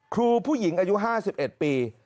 ครูผู้หญิงอายุ๕๑ปี